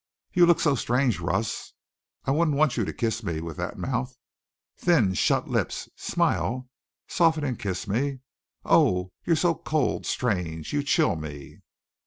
"You look so strange. Russ, I wouldn't want you to kiss me with that mouth. Thin, shut lips smile! Soften and kiss me! Oh, you're so cold, strange! You chill me!"